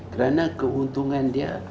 karena keuntungan dia